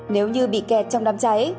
nếu như bị kẹt trong đám cháy